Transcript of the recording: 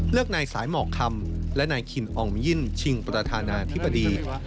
เลือกในสายหมอกคำและในคินองค์ยิ่นชิงประธานาธิบดี